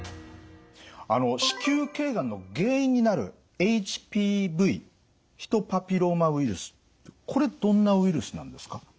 子宮頸がんの原因になるＨＰＶヒトパピローマウイルスこれどんなウイルスなんですか？